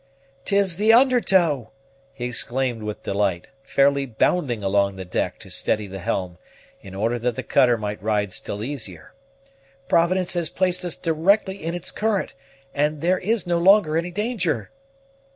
"'Tis the under tow!" he exclaimed with delight, fairly bounding along the deck to steady the helm, in order that the cutter might ride still easier. "Providence has placed us directly in its current, and there is no longer any danger."